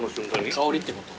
香りってこと？